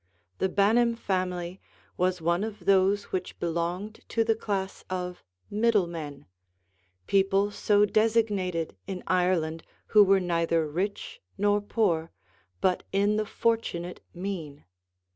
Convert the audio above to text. The Banim family was one of those which belonged to the class of "middlemen," people so designated in Ireland who were neither rich nor poor, but in the fortunate mean.